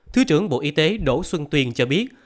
thứ trưởng bộ y tế đỗ xuân tuyên cho biết